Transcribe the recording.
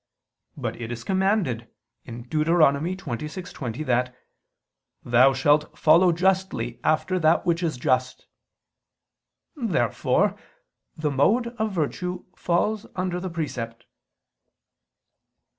But it is commanded (Deut. 26:20) that "thou shalt follow justly after that which is just." Therefore the mode of virtue falls under the precept.